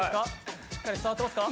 しっかり伝わってますか？